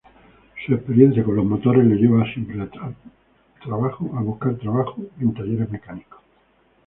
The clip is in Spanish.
Su experiencia con los motores le lleva a buscar siempre trabajo en talleres mecánicos.